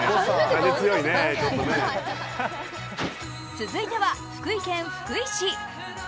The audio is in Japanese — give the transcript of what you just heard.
続いては、福井県福井市。